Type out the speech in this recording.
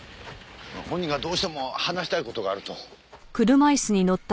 本人がどうしても話したい事があると。